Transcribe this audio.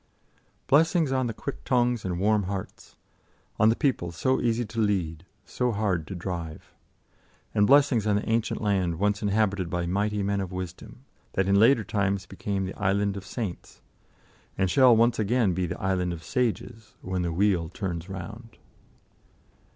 Blessings on the quick tongues and warm hearts, on the people so easy to lead, so hard to drive. And blessings on the ancient land once inhabited by mighty men of wisdom, that in later times became the Island of Saints, and shall once again be the Island of Sages, when the Wheel turns round.